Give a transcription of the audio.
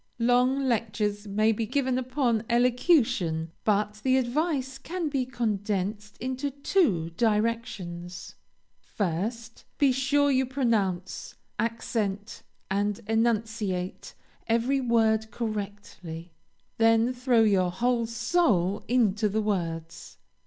Long lectures may be given upon elocution, but the advice can be condensed into two directions. First, be sure you pronounce, accent, and enunciate every word correctly; then, throw your whole soul into the words.